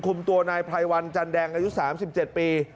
คุมตัวนายไพรวันจันแดงอายุ๓๗ปี